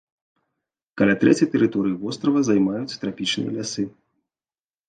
Каля трэці тэрыторыі вострава займаюць трапічныя лясы.